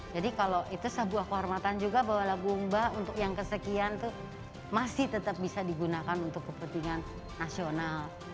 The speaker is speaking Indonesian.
jadi kalau itu sebuah kehormatan juga bahwa lagu mbah untuk yang kesekian tuh masih tetap bisa digunakan untuk kepentingan nasional